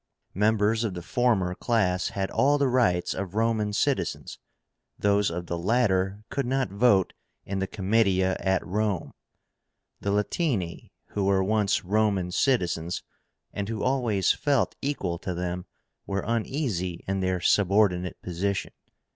Members of the former class had all the rights of Roman citizens; those of the latter could not vote in the Comitia at Rome. The Latíni, who were once Roman citizens, and who always felt equal to them, were uneasy in their subordinate position.